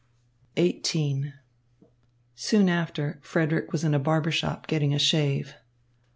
XVIII Soon after, Frederick was in the barbershop getting a shave.